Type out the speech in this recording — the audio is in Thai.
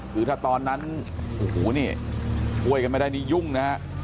คือถ้าตอนนั้นโอ้โหนี่ช่วยกันไม่ได้นี่ยุ่งนะฮะ